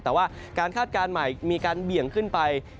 แต่ว่าการคาดการณ์ใหม่มีการเบี่ยงขึ้นไป